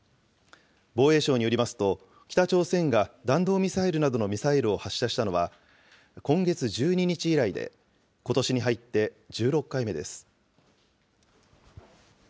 防衛省によりますと、北朝鮮が弾道ミサイルなどのミサイルを発射したのは今月１２日以来で、ことしに入って１６回目です。